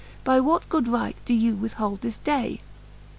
By what good right doe you withhold this day